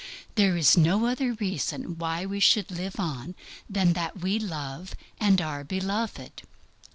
There is no other reason why we should live on than that we love and are beloved.